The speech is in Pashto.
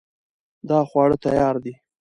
دا خواړه تیار دي